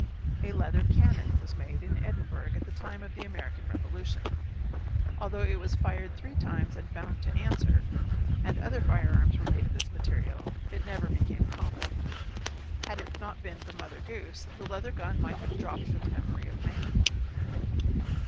A leather cannon was made in Edinburgh at the time of the American revolution. Although it was fired three times and found to answer, and other firearms were made of this material, it never became common. Had it not been for Mother Goose the leather gun might have dropped from the memory of man.